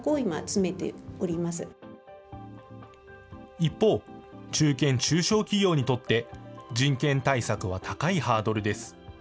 一方、中堅・中小企業にとって、人権対策は高いハードルです。